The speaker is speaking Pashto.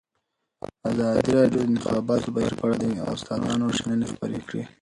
ازادي راډیو د د انتخاباتو بهیر په اړه د استادانو شننې خپرې کړي.